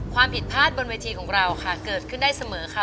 ความผิดพลาดบนเวทีของเราค่ะเกิดขึ้นได้เสมอค่ะ